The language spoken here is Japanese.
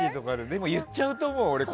でも言っちゃうと思う。